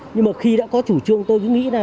nhưng mà khi đã có chủ trương tôi cứ nghĩ là